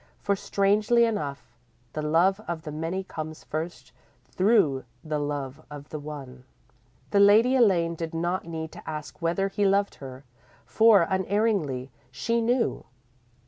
For, strangely enough, the love of the many comes first through the love of the one._ _The Lady Elaine did not need to ask whether he loved her, for, unerringly, she knew.